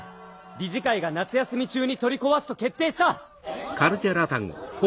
理事会が夏休み中に取り壊すと決定した！